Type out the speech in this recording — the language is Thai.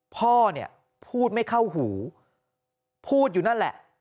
พ่อเนี่ยพูดไม่เข้าหูพูดอยู่นั่นแหละ